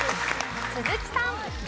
鈴木さん。